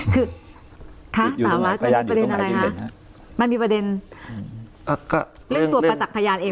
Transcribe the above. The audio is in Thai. คือค่ะประเด็นอะไรฮะมันมีประเด็นอ่าก็เรื่องตัวประจักษ์พยานเอง